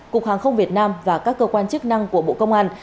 cục hàng không việt nam và các cơ quan chức năng của bộ công an